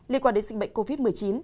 liên quan đến sinh bệnh covid một mươi chín